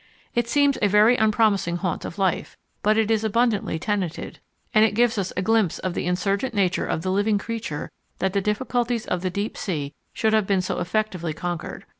It seems a very unpromising haunt of life, but it is abundantly tenanted, and it gives us a glimpse of the insurgent nature of the living creature that the difficulties of the Deep Sea should have been so effectively conquered.